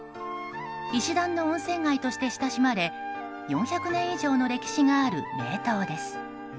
石段の温泉街として親しまれ４００年以上の歴史がある名湯です。